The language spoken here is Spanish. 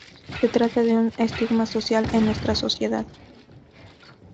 Se trata de un estigma social en nuestra sociedad.